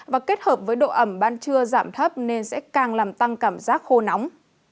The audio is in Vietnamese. và kết hợp với độ ẩm ban trưa giảm thấp nên sẽ càng làm tăng cảm giác khô nóng